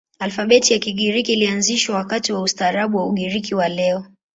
Alfabeti ya Kigiriki ilianzishwa wakati wa ustaarabu wa Ugiriki wa leo.